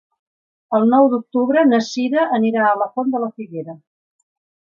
El nou d'octubre na Sira anirà a la Font de la Figuera.